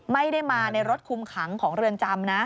ไม่ได้มาในรถคุมขังของเรือนจำนะ